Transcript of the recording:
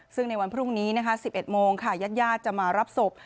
ซึ่งในวันพรุ่งนี้๑๑โมงญาติจะมารับศพ